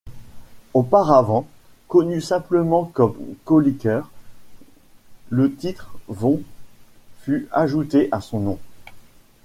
Auparavant connu simplement comme Kolliker, le titre von fut ajouté à son nom.